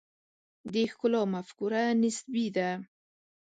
د ښکلا مفکوره نسبي ده.